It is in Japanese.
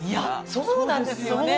そうなんですよ！